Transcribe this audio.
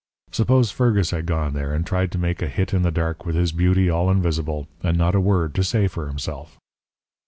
Suppose Fergus had gone there, and tried to make a hit in the dark with his beauty all invisible, and not a word to say for himself!